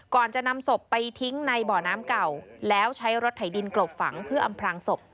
ก่อนจะนำศพไปทิ้งในบ่อน้ำเก่าแล้วใช้รถไถดินกลบฝังเพื่ออำพลางศพ